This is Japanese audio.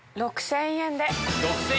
６０００円で。